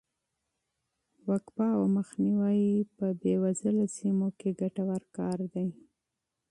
وقفه او مخنیوی په بې وزله سیمو کې ګټور کار دی.